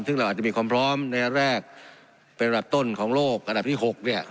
ซึ่งเราอาจจะมีความพร้อมแนวแรกเป็นระดับต้นของโรคอันดับที่๖